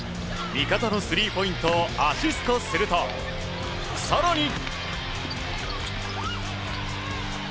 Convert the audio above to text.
味方のスリーポイントをアシストすると更に。